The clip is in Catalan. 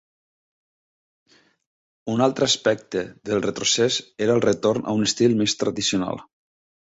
Un altre aspecte del retrocés era el retorn a un estil més tradicional.